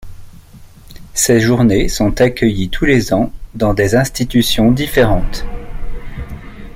Ces journées sont accueillies tous les ans dans des institutions différentes.